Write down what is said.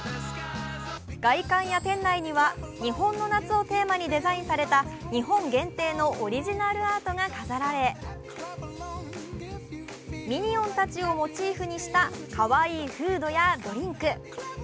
外観や店内には日本の夏をテーマにデザインされた日本限定のオリジナルアートが飾られ、ミニオンたちをモチーフにしたかわいいフードやドリンク。